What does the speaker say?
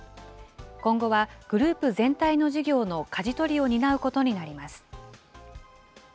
今後はグループ全体の事業のかじ取りを担うことになります。